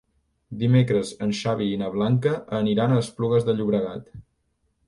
Dimecres en Xavi i na Blanca aniran a Esplugues de Llobregat.